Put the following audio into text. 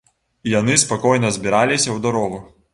І яны спакойна збіраліся ў дарогу.